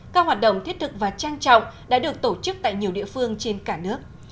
các hoạt động thiết thực và trang trọng đã được tổ chức tại nhiều địa phương trên cả nước